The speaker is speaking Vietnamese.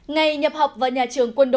ngày nhập học với nhà trường quân đội